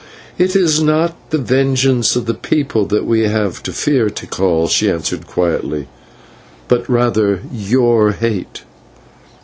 "It is not the vengeance of the people that we have to fear, Tikal," she answered quietly, "but rather your hate."